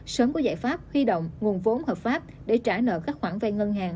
sớm có giải pháp huy động nguồn vốn hợp pháp để trả nợ các khoản vay ngân hàng